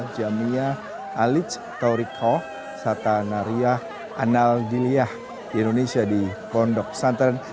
jamia alic torikoh satanariah anal giliah di indonesia di kondok santan